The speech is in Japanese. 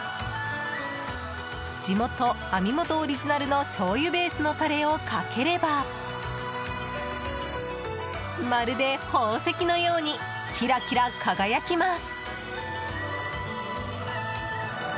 地元・網元オリジナルのしょうゆベースのタレをかければまるで宝石のようにキラキラ輝きます。